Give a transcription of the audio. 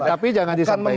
tapi jangan disampein